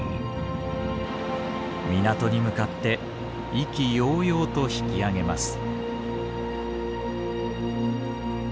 港に向かって意気揚々と引き揚げます。